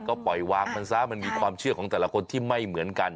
ก็ปล่อยวางมันซะมันมีความเชื่อของแต่ละคนที่ไม่เหมือนกัน